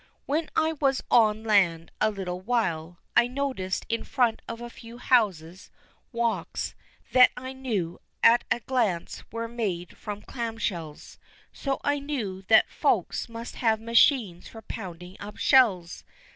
When I was on land a little while, I noticed in front of a few houses, walks, that I knew at a glance were made from clam shells. So I knew that Folks must have machines for pounding up shells.